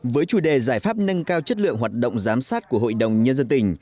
với chủ đề giải pháp nâng cao chất lượng hoạt động giám sát của hội đồng nhân dân tỉnh